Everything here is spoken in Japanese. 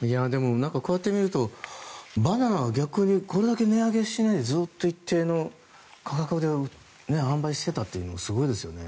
こうやって見るとバナナは逆にこれだけ値上げしないでずっと一定の価格で販売していたというのもすごいですよね。